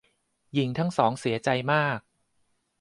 หญิงทั้งสองเสียใจมาก